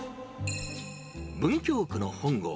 文京区の本郷。